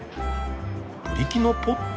ブリキのポット？